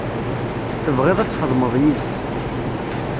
Tebɣiḍ ad txedmeḍ yid-s.